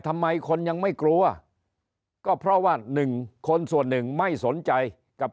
ทำไมคนยังไม่กลัวก็เพราะว่าหนึ่งคนส่วนหนึ่งไม่สนใจกับ